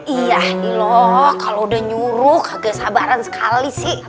iya loh kalau udah nyuruh kagak sabaran sekali sih